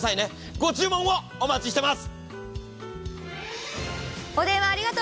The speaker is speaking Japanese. ご注文をお待ちしております。